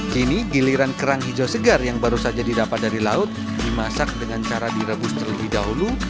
kini giliran kerang hijau segar yang baru saja didapat dari laut dimasak dengan cara direbus terlebih dahulu